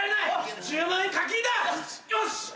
よし。